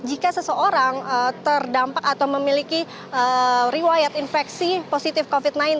jika seseorang terdampak atau memiliki riwayat infeksi positif covid sembilan belas